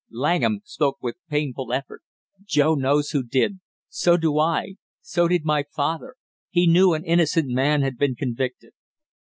Langham spoke with painful effort. "Joe knows who did so do I so did my father he knew an innocent man had been convicted!"